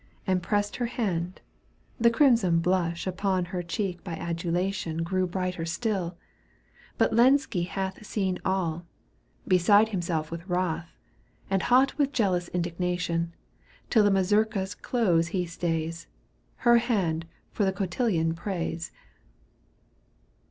And pressed her hand— the crimson blush Upon her cheek by adulation Digitized by VjOOQ 1С CANTO V. EUGENE ON^GUINE. 153 Grew brighter stilL But Lenski hath о Seen all, beside himself with wrath, And hot with jealous indignation. Till the mazurka's close he stays. Her hand for the cotillon prays.